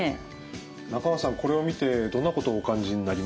中川さんこれを見てどんなことをお感じになりますか？